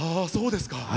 そうですか。